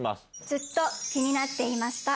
「ずっと気になっていました」。